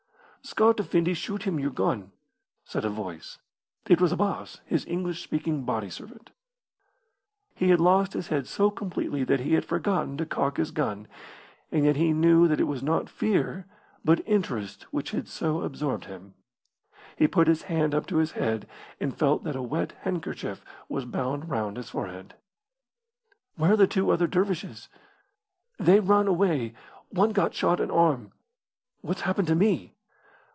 "Scott effendi shoot him your gun," said a voice. It was Abbas, his English speaking body servant. Anerley groaned at the disgrace of it. He had lost his head so completely that he had forgotten to cock his gun; and yet he knew that it was not fear but interest which had so absorbed him. He put his hand up to his head and felt that a wet handkerchief was bound round his forehead. "Where are the two other dervishes?" "They ran away. One got shot in arm." "What's happened to me?"